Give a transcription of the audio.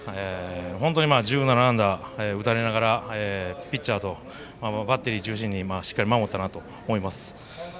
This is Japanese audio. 本当にランナー、打たれながらピッチャーとバッテリー中心にしっかり守ったなと思います。